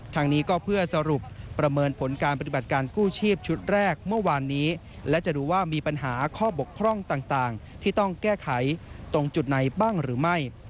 ทางนี้ก็เพื่อสรุปประเมินผลการปฏิบัติการกู้ชีพชุดแรกเมื่อวานนี้และจะดูว่ามีปัญหาข้อบกพร่องต่างที่ต้องแก้ไขตรงจุดไหนบ้างหรือไม่